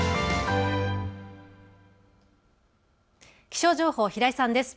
気象情報、平井さんです。